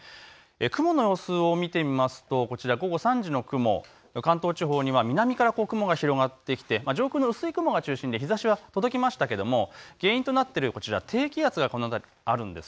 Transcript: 雲の様子を見てみますと午後３時の雲、関東地方では南から雲が広がって上空の薄い雲が中心で日ざしは届きましたが原因となっている低気圧がこの辺りにあるんです。